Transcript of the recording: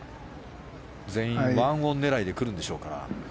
全員１オン狙いで来るんでしょうか。